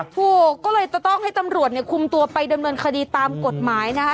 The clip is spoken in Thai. ถูกก็เลยจะต้องให้ตำรวจเนี่ยคุมตัวไปดำเนินคดีตามกฎหมายนะคะ